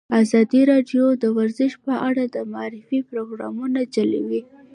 ازادي راډیو د ورزش په اړه د معارفې پروګرامونه چلولي.